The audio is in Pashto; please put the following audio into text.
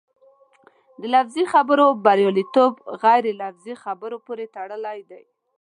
د لفظي خبرو بریالیتوب غیر لفظي خبرو پورې تړلی دی.